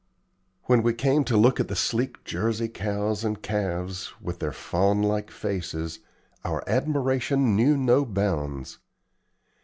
When we came to look at the sleek Jersey cows and calves, with their fawn like faces, our admiration knew no bounds.